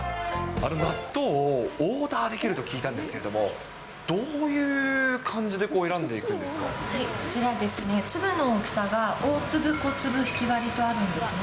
納豆をオーダーできると聞いたんですけど、どういう感じでこう、こちらですね、粒の大きさが、大粒、小粒、ひきわりとあるんですね。